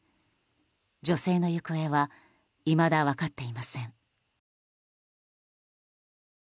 女性の行方はいまだ分かっていません。